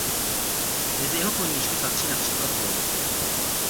Mezi jeho koníčky patří například golf.